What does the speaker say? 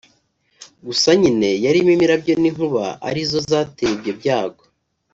gusa nyine yarimo imirabyo n’inkuba ari zo zateye ibyo byago